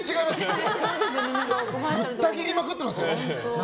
ぶった切りまくってますよ。